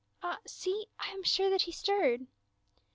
Ah, see ! I am sure that he stirred